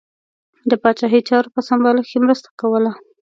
د پاچاهۍ د چارو په سمبالښت کې مرسته کوله.